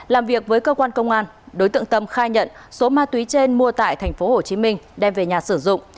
làm việc với cơ quan công an đối tượng tâm khai nhận số ma túy trên mua tại tp hcm đem về nhà sử dụng